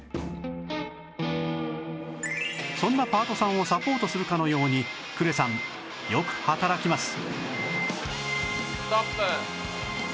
そんなパートさんをサポートするかのように呉さんよく働きます